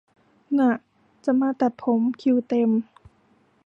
ง่ะ จะมาตัดผม คิวเต็ม